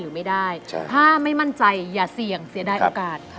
หรือไม่ได้ถ้าไม่มั่นใจอย่าเสี่ยงเสียดายโอกาส